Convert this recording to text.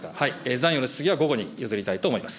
残余の質疑は午後に譲りたいと思います。